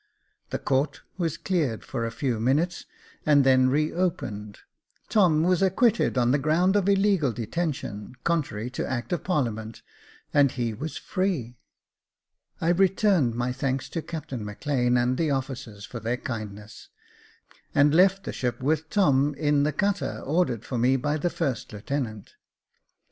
The court was cleared for a few minutes, and then re opened. Tom was acquitted on the ground of illegal detention, contrary to act of parliament, and he was free. I returned my thanks to Captain Maclean and the officers for their kindness, and left the ship with Tom in the cutter, ordered for me by the first lieutenant.